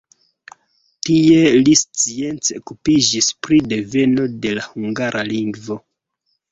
Tie li science okupiĝis pri deveno de la hungara lingvo.